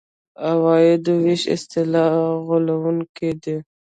عوایدو وېش اصطلاح غولوونکې ده.